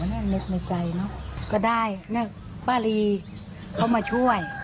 ก็ได้นะเพราะว่าป้าลีเขามาช่วย